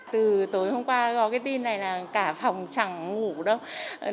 từ tối hôm qua gói cái tin này là cả phòng chẳng ngủ đâu